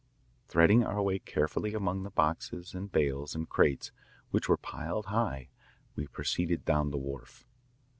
Threading our way carefully among the boxes, and bales, and crates which were piled high, we proceeded down the wharf.